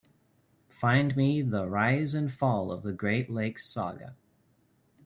Find me The Rise and Fall of the Great Lakes saga.